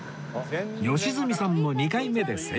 良純さんも２回目で成功